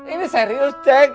ini serius cek